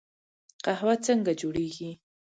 قهوه څنګه جوړیږي؟